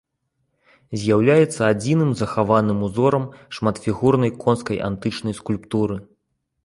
З'яўляецца адзіным захаваным узорам шматфігурнай конскай антычнай скульптуры.